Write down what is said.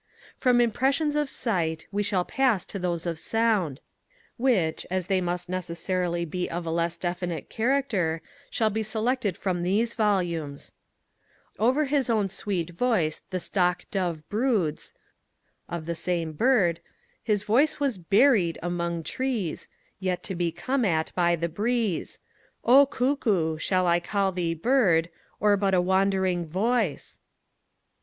From impressions of sight we will pass to those of sound; which, as they must necessarily be of a less definite character, shall be selected from these volumes: Over his own sweet voice the Stock dove broods; of the same bird, His voice was buried among trees, Yet to be come at by the breeze; O, Cuckoo I shall I call thee Bird, Or but a wandering Voice?